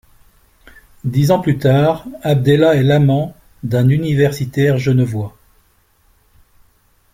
Dix ans plus tard, Abdellah est l'amant d'un universitaire genevois.